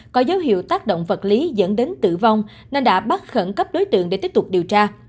có dấu hiệu tác động vật lý dẫn đến tử vong nên đã bắt khẩn cấp đối tượng để tiếp tục điều tra